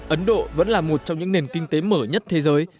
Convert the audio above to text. ấn độ vẫn là một trong những nền kinh tế mở nhất thế giới